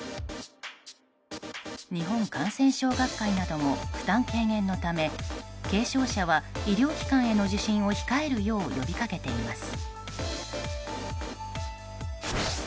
日本感染症学会なども負担軽減のため軽症者は医療機関への受診を控えるよう呼びかけています。